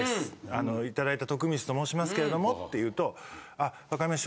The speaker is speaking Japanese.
あのいただいた徳光と申しますけれども」って言うと「あっわかりました。